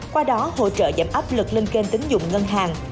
qua đó hỗ trợ giảm áp lực lên kênh tính dụng ngân hàng